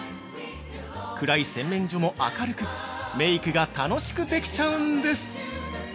暗い洗面所も明るくメイクが楽しくできちゃうんです。